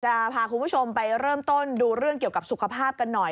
จะพาคุณผู้ชมไปเริ่มต้นดูเรื่องเกี่ยวกับสุขภาพกันหน่อย